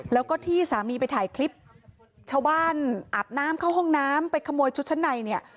แล้วก็ที่สามีไปถ่ายคลิปชาวบ้านอาบน้ำเข้าห้องน้ำไปขโมยชุดชั้นในเนี่ย